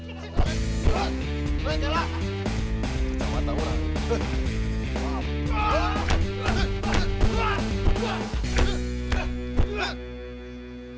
kacau mata orang